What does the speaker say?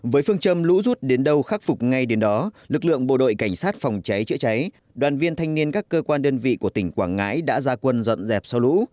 với phương châm lũ rút đến đâu khắc phục ngay đến đó lực lượng bộ đội cảnh sát phòng cháy chữa cháy đoàn viên thanh niên các cơ quan đơn vị của tỉnh quảng ngãi đã ra quân dọn dẹp sau lũ